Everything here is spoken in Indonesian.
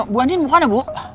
bu ani mau kemana bu